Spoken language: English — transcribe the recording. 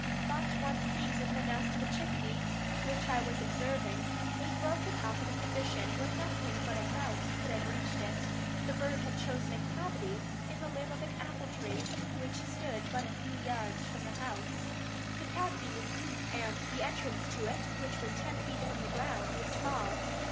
But one season the nest of a chickadee which I was observing was broken up in a position where nothing but a mouse could have reached it. The bird had chosen a cavity in the limb of an apple tree which stood but a few yards from the house. The cavity was deep, and the entrance to it, which was ten feet from the ground, was small.